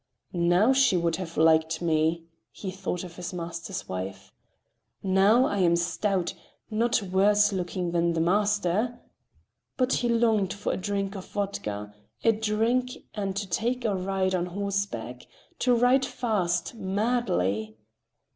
"Now she would have liked me," he thought of his master's wife. "Now I am stout—not worse looking than the master." But he longed for a drink of vodka, to drink and to take a ride on horseback, to ride fast, madly.